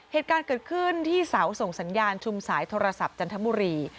เหตุการณ์เกิดขึ้นที่เสาส่งสัญญาณชุมสายโทรศัพท์จันทบุรี